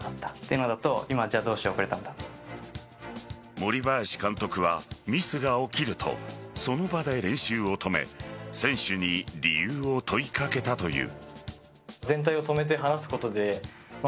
森林監督はミスが起きるとその場で練習を止め選手に理由を問い掛けたという。